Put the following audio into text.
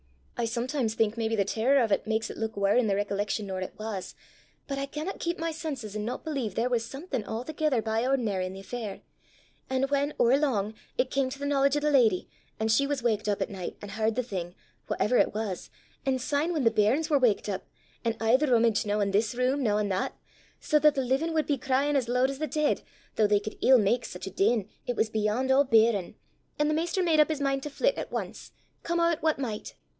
I sometimes think maybe the terror o' 't maks it luik waur i' the recollection nor it was; but I canna keep my senses an' no believe there was something a'thegither by ord'nar i' the affair. An' whan, or lang, it cam to the knowledge o' the lady, an' she was waukit up at nicht, an' h'ard the thing, whatever it was, an' syne whan the bairns war waukit up, an' aye the romage, noo i' this room, noo i' that, sae that the leevin' wud be cryin' as lood as the deid, though they could ill mak sic a din, it was beyond a' beirin', an' the maister made up his min' to flit at ance, come o' 't what micht!